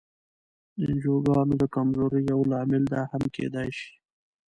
د انجوګانو د کمزورۍ یو لامل دا هم کېدای شي.